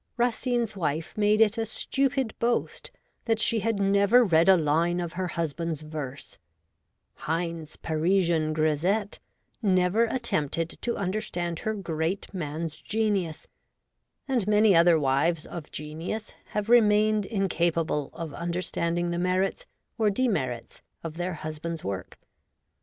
Racine's wife made it a stupid boast that she had never read a line of her husband's verse ; Heine's Parisian grisette never attempted to understand her great man's genius; and many other wives of genius have remained incapable of understanding the merits or demerits of their husbands' work.